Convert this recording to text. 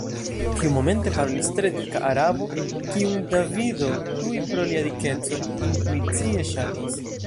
Tiumomente parolis tre dika Arabo – kiun Davido tuj pro lia dikeco intuicie ŝatis.